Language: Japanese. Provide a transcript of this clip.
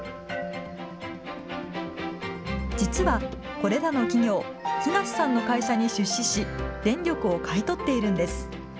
実はこれらの企業、東さんの会社に出資し電力を買い取っているんです。